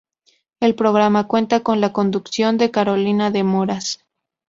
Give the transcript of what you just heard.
El programa cuenta con la conducción de Carolina de Moras.